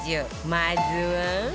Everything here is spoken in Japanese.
まずは